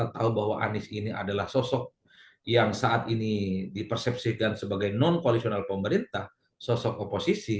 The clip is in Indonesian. kita tahu bahwa anies ini adalah sosok yang saat ini dipersepsikan sebagai non koalisional pemerintah sosok oposisi